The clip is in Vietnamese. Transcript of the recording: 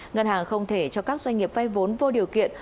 ngân hàng không thể cho các doanh nghiệp vay vốn vô điều kiện